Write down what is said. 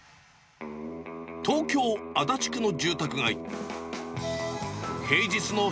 東京・足立区の住宅街。